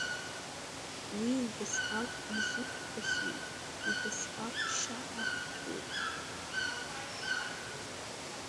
Уи убасҟак иазықәԥахьеит, убасҟак шьа ақәҭәоуп.